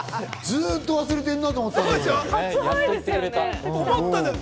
ずっと忘れてなと思ったら。